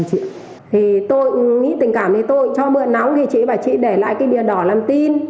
thì tôi nghĩ tình cảm thì tôi cũng cho mượn nóng thì chị và chị để lại cái bìa đỏ làm tin